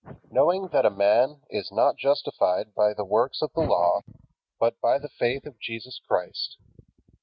Knowing that a man is not justified by the works of the law, but by the faith of Jesus Christ.